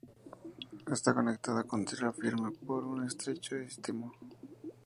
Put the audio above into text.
Está conectada con tierra firme por un estrecho istmo.